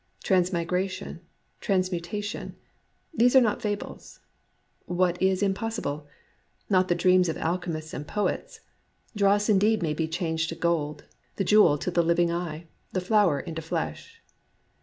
Transmigration — transmutation : these are not fables ! What is impossible ? Not the dreams of alchemists and poets ;— dross may indeed be changed to gold, the jewel to the living eye, the flower into flesh.